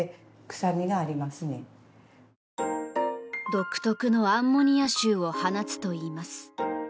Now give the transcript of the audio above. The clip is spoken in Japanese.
独特のアンモニア臭を放つといいます。